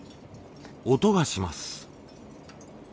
音がします。